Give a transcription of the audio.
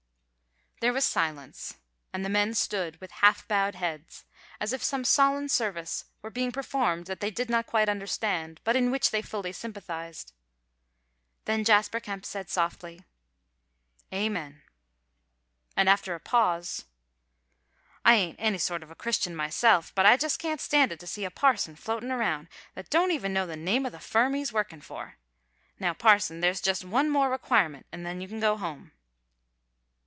There was silence, and the men stood with half bowed heads, as if some solemn service were being performed that they did not quite understand, but in which they fully sympathized. Then Jasper Kemp said, softly: "Amen!" And after a pause: "I ain't any sort of a Christian myself, but I just can't stand it to see a parson floatin' round that don't even know the name of the firm he's workin' for. Now, parson, there's just one more requirement, an' then you can go home."